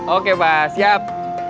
oke pak siap